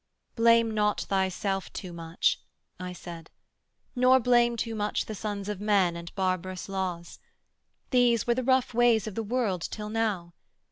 'Blame not thyself too much,' I said, 'nor blame Too much the sons of men and barbarous laws; These were the rough ways of the world till now.